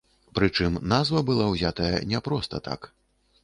Прычым, назва была ўзятая не проста так.